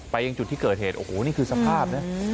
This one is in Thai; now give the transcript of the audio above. ยังจุดที่เกิดเหตุโอ้โหนี่คือสภาพนะ